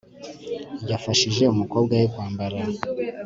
yafashije umukobwa we kwambara